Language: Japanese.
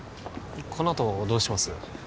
このあとどうします？